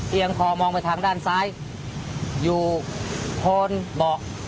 เอียงคอมองไปทางด้านซ้ายอยู่โคนบ่อ